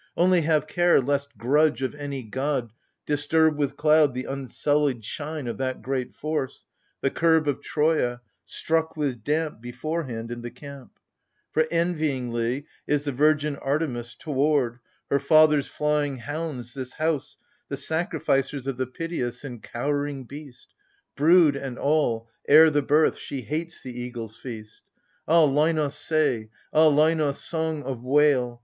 Only, have care lest gmdge of any god disturb With cloud the unsullied shine of that great force, the curb Of Troia, struck with damp Beforehand in the camp ! For envyingly is The virgin Artemis Toward — her father's flying hounds — this House — The sacrificers of the piteous AGAMEMNON. 13 And cowering beast, Brood and all, ere the birth: she hates the eagles' feast. Ah, Linos, say — ah, Linos, song of wail